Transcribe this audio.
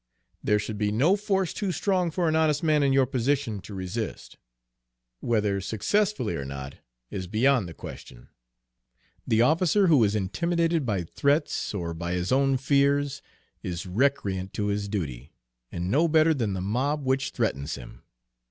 "There should be no force too strong for an honest man in your position to resist, whether successfully or not is beyond the question. The officer who is intimidated by threats, or by his own fears, is recreant to his duty, and no better than the mob which threatens him.